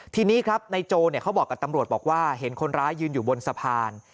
ทีนี้ครับนายโจเขาบอกกับตำรวจบอกว่าเห็นคนร้ายยืนอยู่บนสะพาน